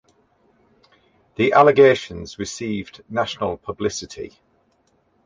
The allegations received national publicity.